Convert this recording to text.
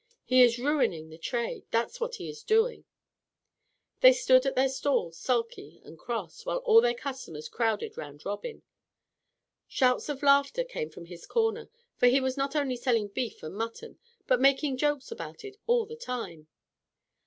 He is ruining the trade, that's what he is doing." They stood at their stalls sulky and cross, while all their customers crowded round Robin. Shouts of laughter came from his corner, for he was not only selling beef and mutton, but making jokes about it all the time.